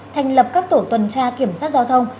thành lập các tổ tuần tra kiểm soát giao thông